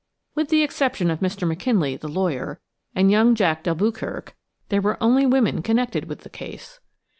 With the exception of Mr. McKinley, the lawyer, and young Jack d'Alboukirk, there were only women connected with the case.